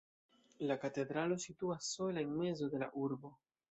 La katedralo situas sola en mezo de la urbo.